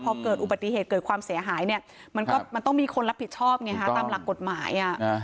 พอเกิดอุบัติเหตุเกิดความเสียหายเนี่ยมันก็มันต้องมีคนรับผิดชอบไงฮะตามหลักกฎหมาย